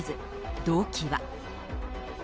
動機は。